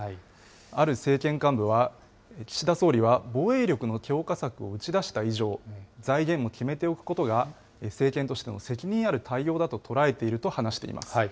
ある政権幹部は、岸田総理は、防衛力の強化策を打ち出した以上、財源を決めておくことが政権としての責任ある対応だと捉えていると話しています。